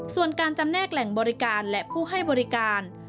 ส่วนการจำแนกแหล่งบริการและผู้ให้บริการ